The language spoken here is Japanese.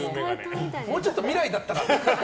もうちょっと未来だったらって